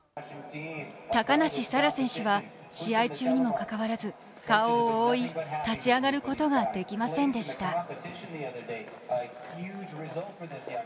高梨沙羅選手は試合中にもかかわらず、顔を覆い、立ち上がることができませんでした。